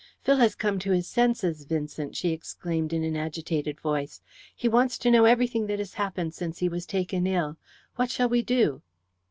"Phil has come to his senses, Vincent," she exclaimed, in an agitated voice. "He wants to know everything that has happened since he was taken ill. What shall we do?"